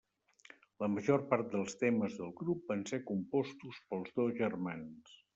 La major part dels temes del grup van ser compostos pels dos germans.